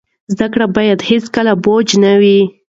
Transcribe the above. زده کړه باید هیڅکله بوج نه وي.